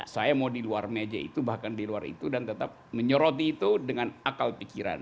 saya mau di luar meja itu bahkan di luar itu dan tetap menyoroti itu dengan akal pikiran